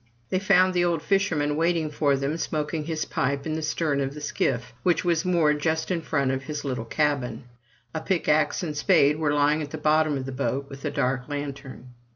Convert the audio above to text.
They found the old fisherman waiting for them, smoking his pipe in the stern of the skiff, which was moored just in front of his little cabin. A pickaxe and spade were lying in the bottom of the boat, with a dark lantern.